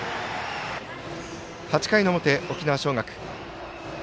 ８回の表、沖縄尚学。